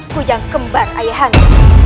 kujang kembar ayahannya